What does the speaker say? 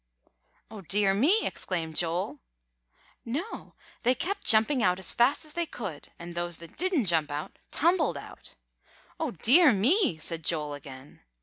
"Oh, dear me!" exclaimed Joel. "No; they kept jumping out as fast as they could. And those that didn't jump out, tumbled out." "Oh, dear me!" said Joel again.